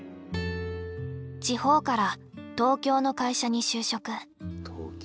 地方から東京の会社に就職。